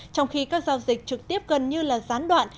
trong khi các giao dịch trực tiếp gần như là gián đoạn